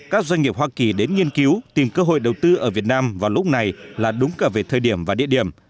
các doanh nghiệp hoa kỳ đến nghiên cứu tìm cơ hội đầu tư ở việt nam vào lúc này là đúng cả về thời điểm và địa điểm